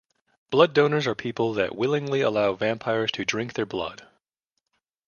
Blood donors are people that willingly allow vampires to drink their blood.